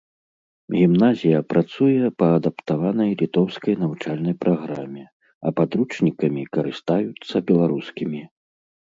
Гімназія працуе па адаптаванай літоўскай навучальнай праграме, а падручнікамі карыстаюцца беларускімі.